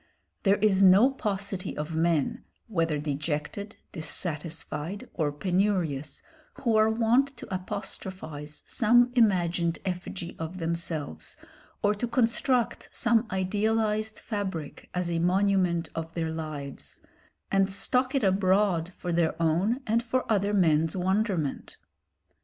There is no paucity of men, whether dejected, dissatisfied or penurious, who are wont to apostrophise some imagined effigy of themselves, or to construct some idealised fabric as a monument of their lives, and stalk it abroad for their own and for other men's wonderment.